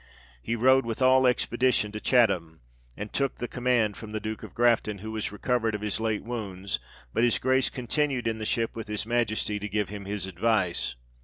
He rode with all expedition to Chatham, and took the command from the Duke of Grafton, who was recovered of his late wounds, but his Grace continued in the ship with his Majesty to give him his advice.